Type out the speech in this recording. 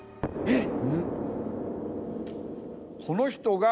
えっ？